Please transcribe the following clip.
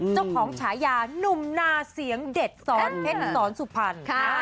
ฉายานุ่มนาเสียงเด็ดสอนเพชรสอนสุพรรณ